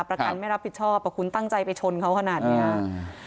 ประกันไม่รับผิดชอบอ่ะคุณตั้งใจไปชนเขาขนาดเนี้ยอืม